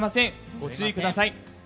ご注意ください。